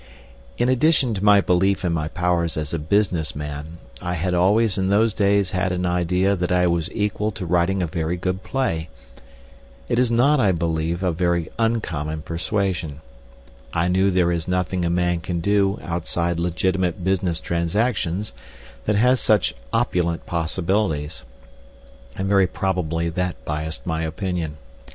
In addition to my belief in my powers as a business man, I had always in those days had an idea that I was equal to writing a very good play. It is not, I believe, a very uncommon persuasion. I knew there is nothing a man can do outside legitimate business transactions that has such opulent possibilities, and very probably that biased my opinion.